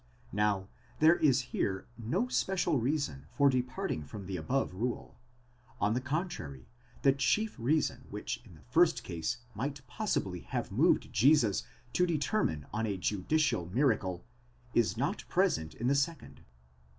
Now, there is here no special reason for departing from the above rule; on the contrary, the chief reason which in the first case might possibly have moved Jesus to determine on a judicial miracle, is not present in the second.